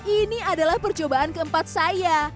ini adalah percobaan keempat saya